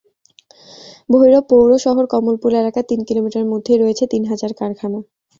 ভৈরব পৌর শহরের কমলপুর এলাকার তিন কিলোমিটারের মধ্যেই রয়েছে তিন হাজার কারখানা।